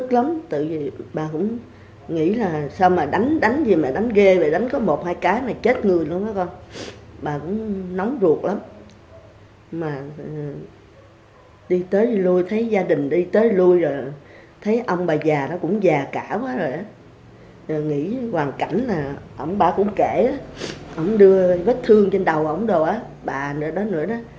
rồi nghĩ hoàn cảnh là ổng bà cũng kể ổng đưa vết thương trên đầu ổng đồ á bà nữa đó nữa đó